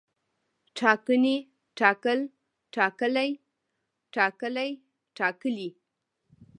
ټاکنې، ټاکل، ټاکلی، ټاکلي، ټاکلې